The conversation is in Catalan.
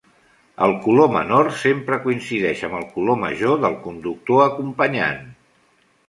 El color menor sempre coincideix amb el color major del conductor acompanyant.